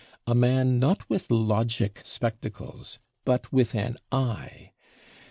A man not with logic spectacles, but with an eye!